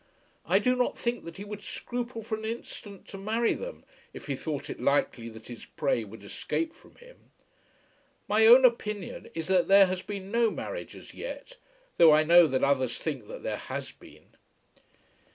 I do not think that he would scruple for an instant to marry them if he thought it likely that his prey would escape from him. My own opinion is that there has been no marriage as yet, though I know that others think that there has been."